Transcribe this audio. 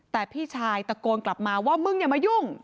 แต่พี่ชายตะโกนกลับมาว่ามึงอย่ามายุ่ง